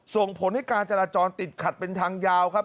ส่งผลให้การจราจรติดขัดเป็นทางยาวครับ